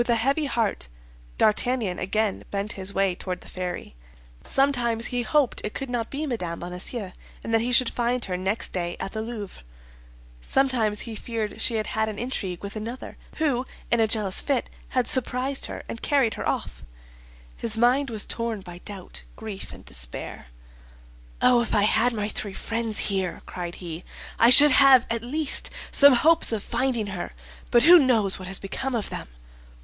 With a heavy heart, D'Artagnan again bent his way toward the ferry. Sometimes he hoped it could not be Mme. Bonacieux, and that he should find her next day at the Louvre; sometimes he feared she had had an intrigue with another, who, in a jealous fit, had surprised her and carried her off. His mind was torn by doubt, grief, and despair. "Oh, if I had my three friends here," cried he, "I should have, at least, some hopes of finding her; but who knows what has become of them?"